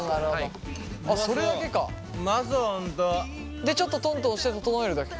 でちょっとトントンして整えるだけか。